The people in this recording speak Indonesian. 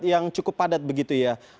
yang cukup padat begitu ya